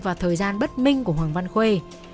và thời gian bất minh của hoàng văn khuê